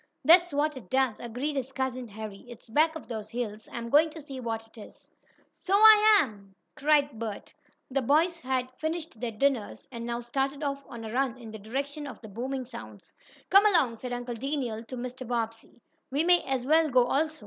"That's what it does," agreed his cousin Harry. "It's back of those hills. I'm going to see what it is." "So am I!" cried Bert. The boys had finished their dinners, and now started off on a run in the direction of the booming sounds. "Come along," said Uncle Daniel to Mr. Bobbsey. "We may as well go also."